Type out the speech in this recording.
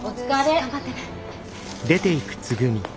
頑張ってね。